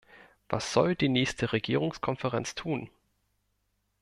Was soll die nächste Regierungskonferenz tun?